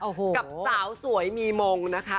กับสาวสวยมีมงนะคะ